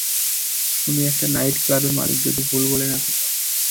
উনি একটা নাইটক্লাবের মালিক, যদি ভুল বলে না থাকি!